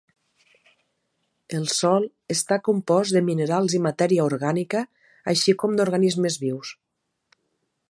El sòl està compost de minerals i matèria orgànica així com d'organismes vius.